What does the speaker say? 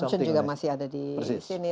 mungkin juga masih ada di sini